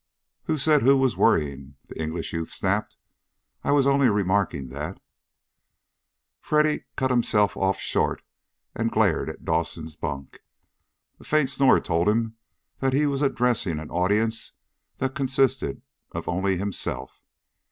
"Who said who was worrying?" the English youth snapped. "I was only remarking that " Freddy cut himself off short and glared at Dawson's bunk. A faint snore told him that he was addressing an audience that consisted of only himself.